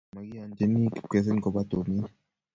makiyonchini kipkesin koba tumin